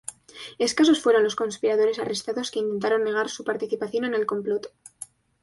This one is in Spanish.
Escasos fueron los conspiradores arrestados que intentaron negar su participación en el complot.